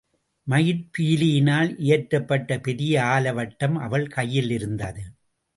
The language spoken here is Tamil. மயிற் பீலியினால் இயற்றப்பட்ட பெரிய ஆலவட்டம் அவள் கையிலிருந்தது.